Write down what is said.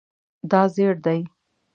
دا زیړ دی